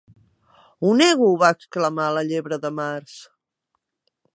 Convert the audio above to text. "Ho nego!", va exclamar la Llebre de Març.